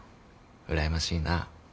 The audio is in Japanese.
うらやましいな。